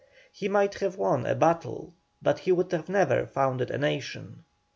He might have won a battle, but he would never have founded a nation.